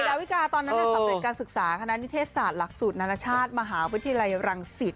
ดาวิกาตอนนั้นสำเร็จการศึกษาคณะนิเทศศาสตร์หลักสูตรนานาชาติมหาวิทยาลัยรังสิต